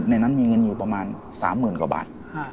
ในนั้นมีเงินอยู่ประมาณ๓๐๐๐กว่าบาท